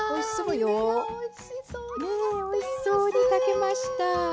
おいしそうに炊けました。